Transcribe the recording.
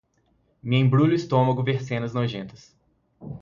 Me embrulha o estômago ver cenas nojentas.